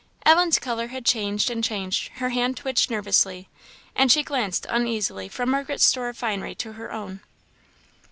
Ellen's colour had changed and changed; her hand twitched nervously, and she glanced uneasily from Margaret's store of finery to her own.